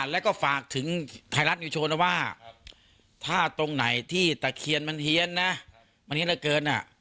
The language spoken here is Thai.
แล้วความถึงไทยรัสทำอยู่โชรวาถ้าตรงไหนที่ตัดเขียนมันเฮียนนะ